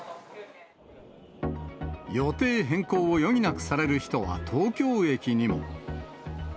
予定変更を余儀なくされる人は東京駅にも。